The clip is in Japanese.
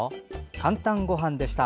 「かんたんごはん」でした。